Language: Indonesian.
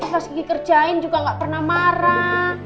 pas kiki kerjain juga gak pernah marah